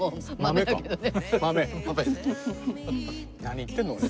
何言ってんだ俺。